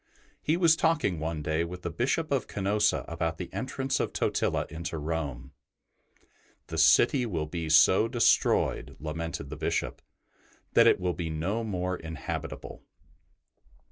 He was talking one day with the Bishop of Canosa about the entrance of Totila into Rome. '' The city will be so destroyed,'' lamented the Bishop," that it will be no more inhabitable."